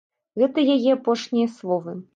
Гэта яе апошнія словы.